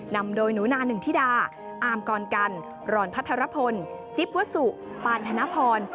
นำโดยหนูนาหนึ่งธิดาอาร์มกรกันรอนพัทรพลจิ๊บวสุปานธนพร